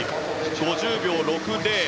５０秒６０。